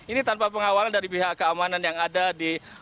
ini tanpa pengawalan dari pihak keamanan yang ada di